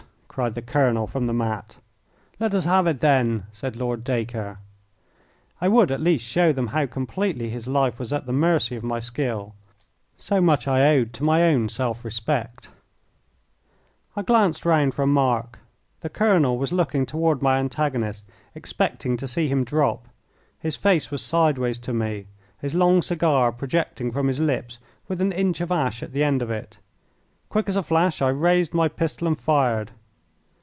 cried the colonel from the mat. "Let us have it, then," said Lord Dacre. I would, at least, show them how completely his life was at the mercy of my skill. So much I owed to my own self respect. I glanced round for a mark. The colonel was looking toward my antagonist, expecting to see him drop. His face was sideways to me, his long cigar projecting from his lips with an inch of ash at the end of it. Quick as a flash I raised my pistol and fired.